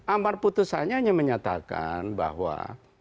amar putusannya hanya menyatakan bahwa